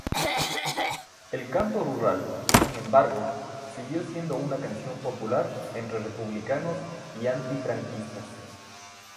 El Canto Rural, sin embargo, siguió siendo una canción popular entre republicanos y antifranquistas.